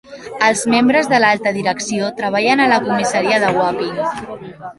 Els membres de l'alta direcció treballen a la comissaria de Wapping.